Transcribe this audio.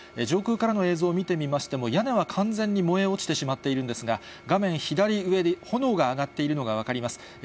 上空からの映像を見てみましても、屋根は完全に燃え落ちてしまっているんですが、画面左上に炎が上がっているのが分かります。